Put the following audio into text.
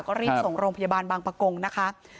ก็รีบส่งโรงพยาบาลบางประกงนะคะ